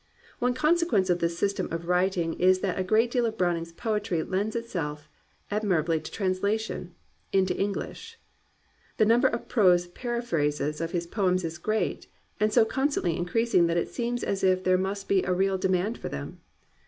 * One consequence of this system of writing is that a great deal of Browning's poetry lends itself ad mirably to translation, — into English. The num ber of prose paraphrases of his poems is great, and so constantly increasing that it seems as if there must be a real demand for them.